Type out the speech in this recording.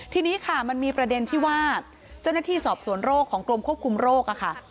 ทีนี้ค่ะมันมีประเด็นที่ว่าเจ้าหน้าที่สอบสวนโรคของกรมควบคุมโรคค่ะ